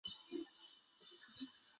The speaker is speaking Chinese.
雷茨地区弗雷奈。